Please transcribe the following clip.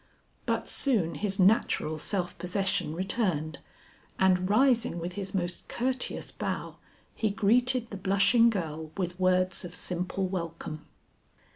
But soon his natural self possession returned, and rising with his most courteous bow, he greeted the blushing girl with words of simple welcome.